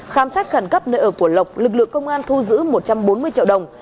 khám xét khẩn cấp nơi ở của lộc lực lượng công an thu giữ một trăm bốn mươi triệu đồng